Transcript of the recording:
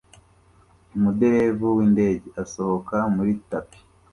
Umuderevu windege asohoka muri itapi